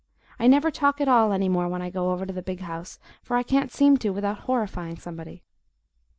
I never talk at all any more when I go over to the big house, for I can't seem to without horrifying somebody.